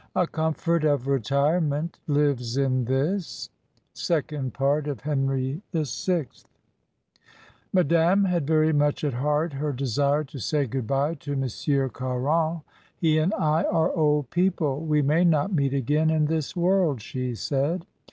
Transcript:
A comfort of retirement lives in this. Second Part of Henry VI. Madame had very much at heart her desire to say good bye to Monsieur Caron. "He and I are old people, we may not meet again in this world," she said.